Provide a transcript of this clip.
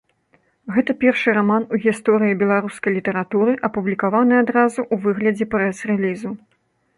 Гэта першы раман у гісторыі беларускай літаратуры, апублікаваны адразу ў выглядзе прэс-рэлізу.